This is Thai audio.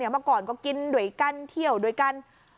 มาก่อนก็กินโดยกั้นเที่ยวโดยกั้น